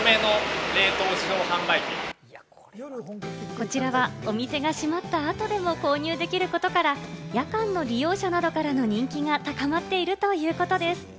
こちらはお店が閉まった後でも購入できることから、夜間の利用者などからの人気が高まっているということです。